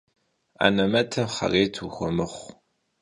Anemetım xhêyret vuxuemıxhu.